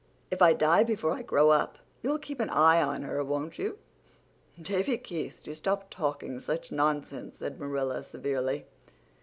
If I die before I grow up you'll keep an eye on her, won't you?" "Davy Keith, do stop talking such nonsense," said Marilla severely.